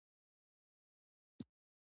بېنډۍ له ډېرو سبو سره ګډ خوري